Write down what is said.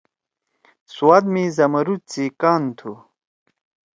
سوات می زمرُد سی کان تُھو۔